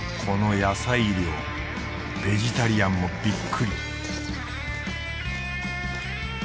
この野菜量ベジタリアンもビックリ！